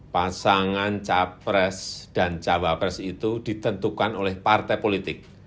pasangan capres dan cawapres itu ditentukan oleh partai politik